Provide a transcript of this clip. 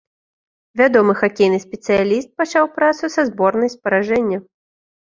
Вядомы хакейны спецыяліст пачаў працу са зборнай з паражэння.